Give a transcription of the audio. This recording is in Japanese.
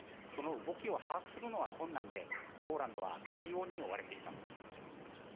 その動きを把握するのは困難でポーランドは対応に追われています。